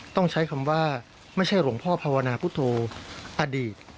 ต้องใช้คำว่าไม่ใช่หลวงพ่อภาวนาพุทธโธอดีต